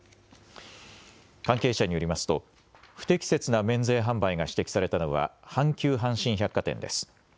関係者によりますと不適切な免税販売が指摘されたのは阪急阪神百貨店です。